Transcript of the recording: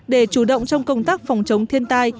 để chủ động trong công tác phòng chống thiên tai